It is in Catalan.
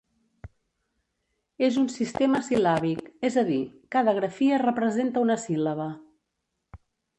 És un sistema sil·làbic, és a dir, cada grafia representa una síl·laba.